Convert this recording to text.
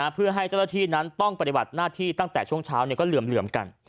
เพื่อให้เจ้าหน้าที่นั้นต้องปฏิบัติหน้าที่ตั้งแต่ช่วงเช้าก็เหลื่อมกัน